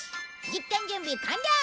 実験準備完了！